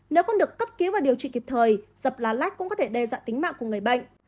nếu con được cấp cứu và điều trị kịp thời dập lá lách cũng có thể đe dọa tính mạng của người bệnh